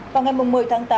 vào ngày một mươi tháng tám